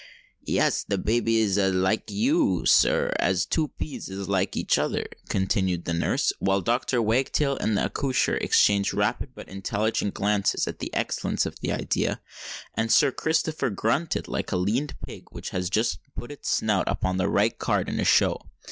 "Yes—the babby's as like you, Sir, as two peas is like each other," continued the nurse, while Dr. Wagtail and the accoucheur exchanged rapid but intelligent glances at the excellence of the idea, and Sir Christopher grunted like a learned pig which has just put its snout upon the right card in a show.